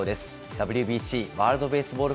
ＷＢＣ・ワールドベースボール